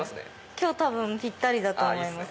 今日多分ぴったりだと思います。